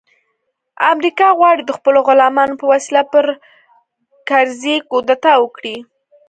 امریکا غواړي د خپلو غلامانو په وسیله پر کرزي کودتا وکړي